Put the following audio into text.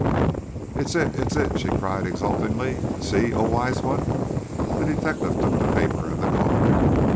"It's it! It's it!" she cried, exultantly. "See, oh, Wise One!" The detective took the paper and the card.